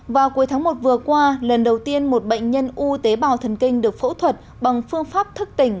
vào cuối tháng một vừa qua lần đầu tiên một bệnh nhân u tế bào thần kinh được phẫu thuật bằng phương pháp thức tỉnh